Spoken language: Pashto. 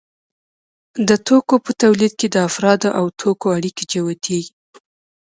د توکو په تولید کې د افرادو او توکو اړیکې جوتېږي